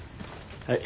はい。